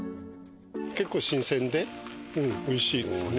結構新鮮でおいしいですよね。